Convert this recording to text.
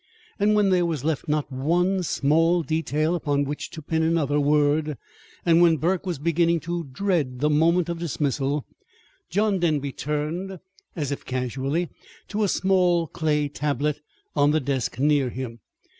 And when there was left not one small detail upon which to pin another word, and when Burke was beginning to dread the moment of dismissal, John Denby turned, as if casually, to a small clay tablet on the desk near him.